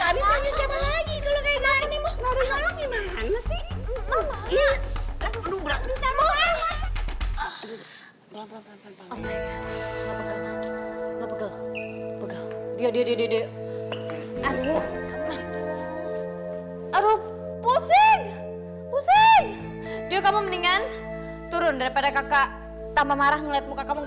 aduh pusing pusing dia kamu mendingan turun daripada kakak tambah marah ngelihat muka kamu